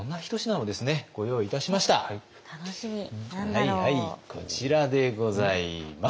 はいはいこちらでございます。